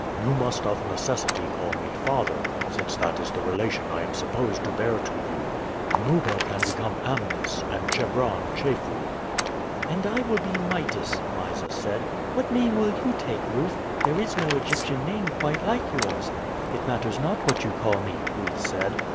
You must of necessity call me father, since that is the relation I am supposed to bear to you. Amuba can become Amnis and Chebron Chefu." "And I will be Mytis," Mysa said. "What name will you take, Ruth? There is no Egyptian name quite like yours." "It matters not what you call me," Ruth said.